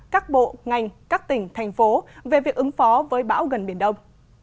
các bộ ngành các tỉnh thành phố về việc ứng phó với bão gần biển đông